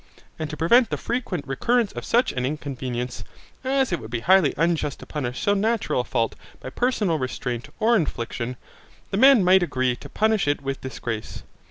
And to prevent the frequent recurrence of such an inconvenience, as it would be highly unjust to punish so natural a fault by personal restraint or infliction, the men might agree to punish it with disgrace.